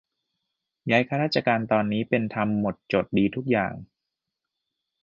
ย้ายข้าราชการตอนนี้เป็นธรรมหมดจด ดีทุกอย่าง